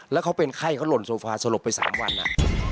แล้วเขาเป็นไข้เขาหล่นโซฟาสลบไป๓วัน